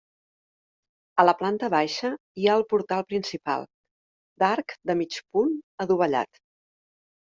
A la planta baixa hi ha el portal principal, d'arc de mig punt adovellat.